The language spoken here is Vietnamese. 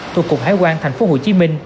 thuộc cục hải quan tp hcm